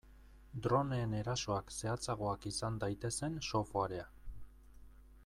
Droneen erasoak zehatzagoak izan daitezen softwarea.